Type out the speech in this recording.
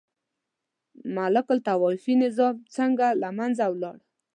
ملوک الطوایفي نظام څنګه له منځه ولاړ؟